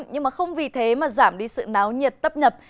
nhưng mà không vì thế mà giảm đi sự náo nhiệt tấp nhập